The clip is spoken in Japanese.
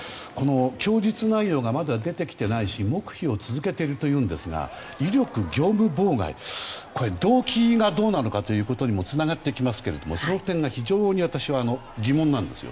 供述内容がまだ出てきてないし黙秘を続けているというんですが威力業務妨害、これは動機がどうなのかということにもつながってきますけど、その点が非常に私は疑問なんです。